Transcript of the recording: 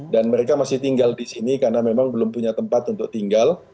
dan mereka masih tinggal di sini karena memang belum punya tempat untuk tinggal